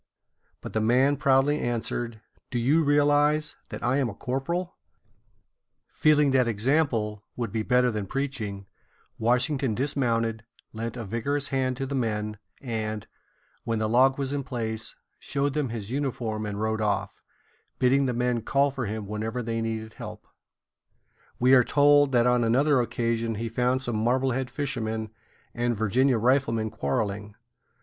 But the man proudly answered: "Do you realize that I am a corporal?" Feeling that example would be better than preaching, Washington dismounted, lent a vigorous hand to the men, and, when the log was in place, showed them his uniform and rode off, bidding the men call for him whenever they needed help. [Illustration: Washington and the Corporal.] We are told that on another occasion he found some Marblehead fishermen and Virginia riflemen quarreling.